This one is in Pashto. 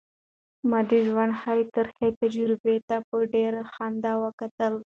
ما د ژوند هرې ترخې تجربې ته په ډېرې خندا وکتل.